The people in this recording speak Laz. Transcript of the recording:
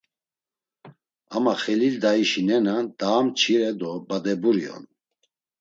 Ama Xelil Daişi nena daa mçire do badeburi on.